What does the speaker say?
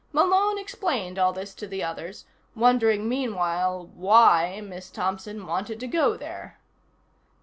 Malone explained all this to the others, wondering meanwhile why Miss Thompson wanted to go there.